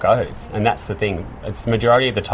sejumlah waktu itu ialah ibu bapa yang tidak mengalami hal hal